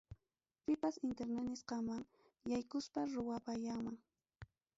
Pipas internet nisqaman yaykuspan ruwapayanman.